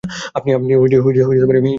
আপনি এই নামে কাউকে চেনেন না?